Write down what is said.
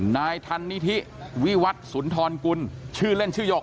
นายธันนิธิวิวัตรสุนทรกุลชื่อเล่นชื่อหยก